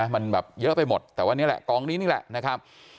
มันแบบเยอะไปหมดแต่ว่านี่แหละกองนี้นี่แหละนะครับ